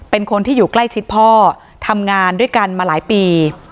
เป็นคนที่อยู่ใกล้ชิดพ่อทำงานด้วยกันมาหลายปี